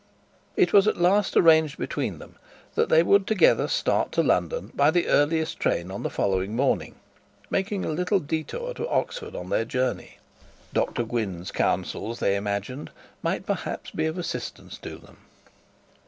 it was at last arranged between them that they would together start to London by the earliest train on the following morning, making a little detour to Oxford on their journey. Dr Gwynne's counsels, they imagined, might perhaps be of assistance to them.